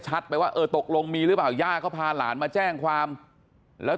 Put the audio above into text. ไปว่าเออตกลงมีหรือเปล่าย่าเขาพาหลานมาแจ้งความแล้ว